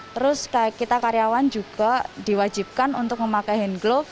terus kita karyawan juga diwajibkan untuk memakai hand glove